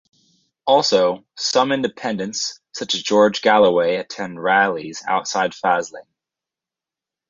Also, some independents, such as George Galloway attend rallies outside Faslane.